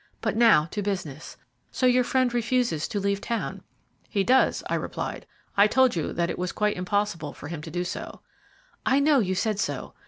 "But now to business. So your friend refuses to leave town." "He does," I replied. "I told you that it was quite impossible for him to do so." "I know you said so.